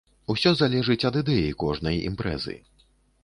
Усё залежыць ад ідэі кожнай імпрэзы.